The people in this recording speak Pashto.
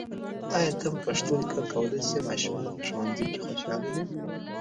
آیا ته په پښتو لیکل کولای سې؟ ماشومان په ښوونځي کې خوشاله دي.